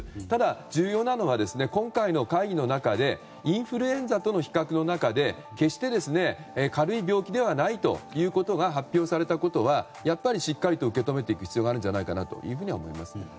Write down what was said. ただ、重要なのは今回の会議の中でインフルエンザとの比較の中で決して軽い病気ではないということが発表されたことはやっぱりしっかりと受け止めていく必要があるかと思います。